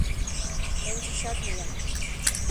Ончычат лийын.